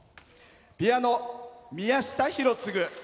ピアノ、宮下博次。